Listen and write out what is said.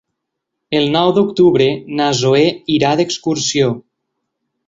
El nou d'octubre na Zoè irà d'excursió.